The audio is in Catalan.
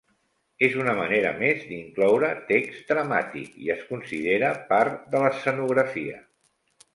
És una manera més d'incloure text dramàtic i es considera part de l'escenografia.